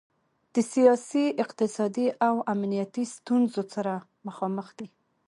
د سیاسي، اقتصادي او امنیتي ستونخو سره مخامخ دی.